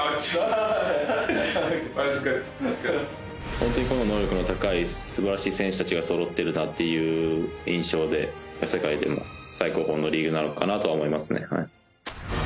本当に個の能力の高い素晴らしい選手達がそろってるなっていう印象で世界でも最高峰のリーグなのかなとは思いますねはい